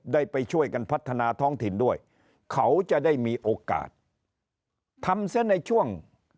ได้ไปช่วยกันพัฒนาท้องถิ่นด้วยเขาจะได้มีโอกาสทำเสียในช่วง